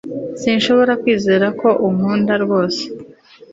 sinshobora kwizera ko unkunda rwose